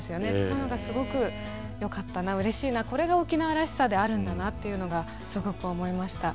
なのがすごくよかったなうれしいなこれが沖縄らしさであるんだなっていうのがすごく思いました。